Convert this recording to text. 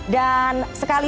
dan sekali lagi terima kasih